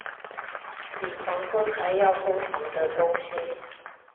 比黃昏還要昏黃的東西